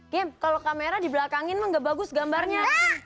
gem kalo kamera di belakangin mah gak bagus gambarnya